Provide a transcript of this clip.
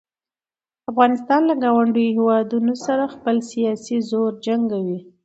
افغانستان له ګاونډیو هیوادونو سره خپل سیاسي زور جنګوي.